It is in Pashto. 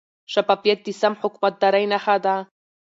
شفافیت د سم حکومتدارۍ نښه ده.